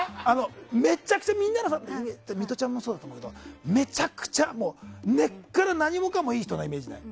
ミトちゃんもそうだと思うけどめちゃくちゃ根っから何もかもいい人なイメージない？